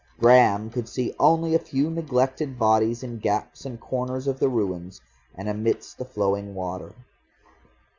Graham could see only a few neglected bodies in gaps and corners of the ruins, and amidst the flowing water.